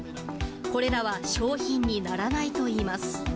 これらは商品にならないといいます。